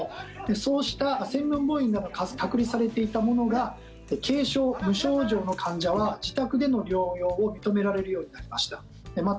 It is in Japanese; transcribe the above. そうした専門病院に隔離されていたものが軽症・無症状の患者は自宅での療養を認められるようになりました。